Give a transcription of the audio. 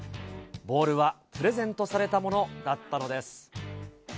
ボールはプレゼントされたものだったのです。